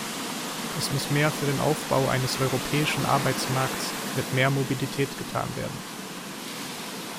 Es muss mehr für den Aufbau eines europäischen Arbeitsmarkts mit mehr Mobilität getan werden.